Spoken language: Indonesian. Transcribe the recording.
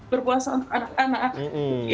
berpuasa untuk anak anak